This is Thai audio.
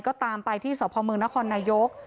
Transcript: ก็ตามไปที่สพมนครนายก